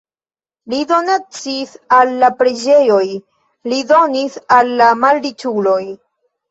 Li donacis al la preĝejoj, li donis al la malriĉuloj.